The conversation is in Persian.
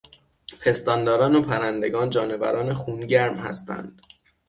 پستانداران و پرندگان جانوران خونگرم هستند.